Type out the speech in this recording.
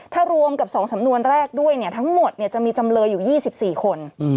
ถ้ารวมกับ๒สำนวนแรกด้วยทั้งหมดจะมีจำเลยอยู่๒๔คน